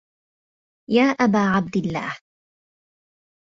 يَا أَبَا عَبْدِ اللَّهِ